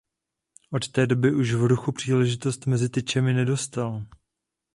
Od té doby už v Ruchu příležitost mezi tyčemi nedostal.